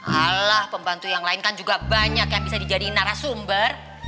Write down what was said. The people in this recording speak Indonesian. alah pembantu yang lain kan juga banyak yang bisa dijadiin narasumber